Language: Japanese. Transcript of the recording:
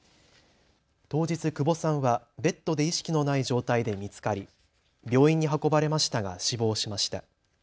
当日、久保さんはベットで意識のない状態で見つかり病院に運ばれましたが死亡しました。